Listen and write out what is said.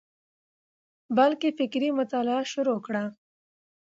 بلکي فکري مطالعه شروع کړه،